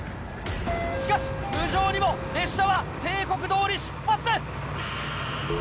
しかし無情にも列車は定刻どおり出発です！